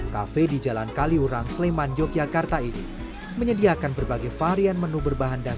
kafe di jalan kaliurang sleman yogyakarta ini menyediakan berbagai varian menu berbahan dasar